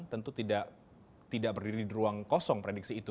tentu tidak berdiri di ruang kosong prediksi itu